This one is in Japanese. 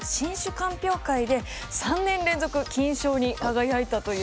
鑑評会で３年連続金賞に輝いたという。